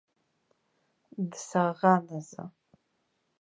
Дсаӷан азы.